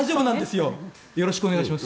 よろしくお願いします。